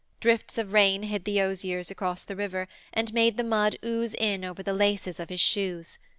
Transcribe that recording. Drifts of rain hid the osiers across the river and made the mud ooze in over the laces of his shoes.